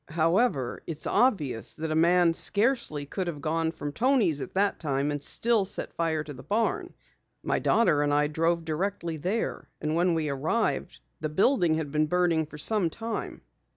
"However, it's obvious that a man scarcely could have gone from Toni's at that time and still set fire to the barn. My daughter and I drove directly there, and when we arrived the building had been burning for some time."